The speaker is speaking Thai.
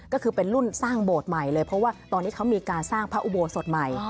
ก็คือเป็นรุ่นสร้างโบสถ์ใหม่เลยเพราะว่าตอนนี้เขามีการสร้างพระอุโบสถใหม่